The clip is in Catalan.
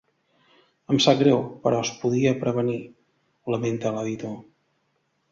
Em sap greu, però es podia prevenir, lamenta l’editor.